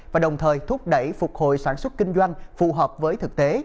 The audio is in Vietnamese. và đồng thời thúc đẩy phục hồi sản xuất kinh doanh phù hợp với thực tế